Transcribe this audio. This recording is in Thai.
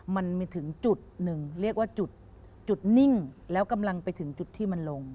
มันมีถึงจุดหนึ่งเรียกว่าจุดนิ่งแล้วกำลังไปถึงจุดที่มันลง